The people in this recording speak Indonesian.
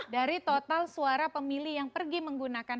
dari total suara pemilih yang pergi menggunakan